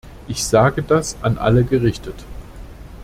Ich sage das an alle gerichtet.